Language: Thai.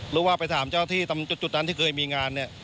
หรือว่าไปถามเจ้าที่จุดนั้นที่เคยมีงานเนี่ย